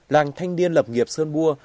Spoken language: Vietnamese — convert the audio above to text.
làng thanh niên lập nghiệp sơn vua